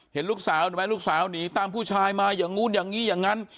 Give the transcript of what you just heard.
เห็นลูกสาวเห็นไหมลูกสาวหนีตามผู้ชายมาอย่างนู้นอย่างนี้อย่างนั้น